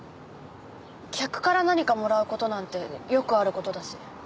客から何かもらう事なんてよくある事だし。